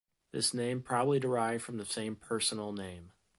This name probably derived from the same personal name.